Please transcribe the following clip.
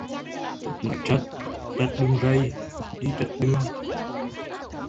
Nói trật, trật đường rầy, đi trật đường